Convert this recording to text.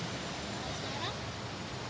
kalau dulu si tiraton